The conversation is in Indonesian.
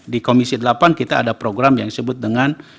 di komisi delapan kita ada program yang disebut dengan